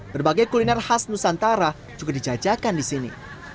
berbagai kuliner khas nusantara juga dijajakan di sini